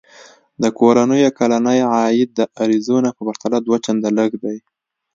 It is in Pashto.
د کورنیو کلنی عاید د اریزونا په پرتله دوه چنده لږ دی.